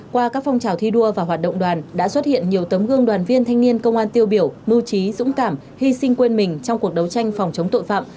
qua các phong trào thi đua và hoạt động đoàn đã xuất hiện nhiều tấm gương đoàn viên thanh niên công an tiêu biểu mưu trí dũng cảm hy sinh quên mình trong cuộc đấu tranh phòng chống tội phạm